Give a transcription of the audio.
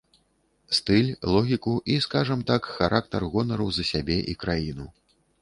Стыль, логіку і, скажам так, характар гонару за сябе і краіну.